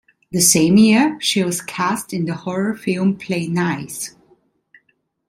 The same year, she was cast in the horror film "Play Nice".